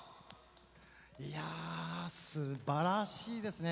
いや、すばらしいですね。